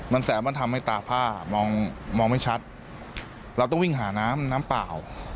มันแสบมันทำให้ตาผ้ามองไม่ชัดเราต้องวิ่งหาน้ำน้ำเปล่า